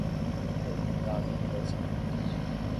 Foi inundado até dez centímetros.